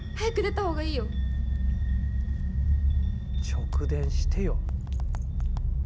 直電してよ。